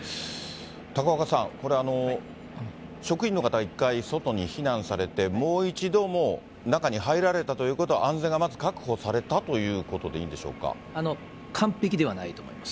高岡さん、職員の方は一回、外に避難されて、もう一度、もう中に入られたということは、安全がまず確保されたということ完璧ではないと思います。